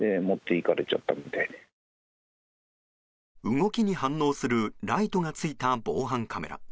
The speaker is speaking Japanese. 動きに反応するライトがついた防犯カメラ。